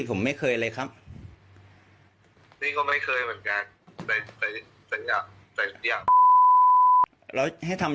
ผมไม่เคยเลยครับ